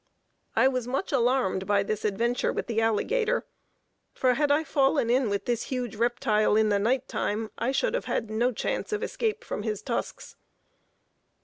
I was much alarmed by this adventure with the alligator, for had I fallen in with this huge reptile in the night time, I should have had no chance of escape from his tusks.